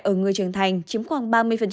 ở người trưởng thành chiếm khoảng ba mươi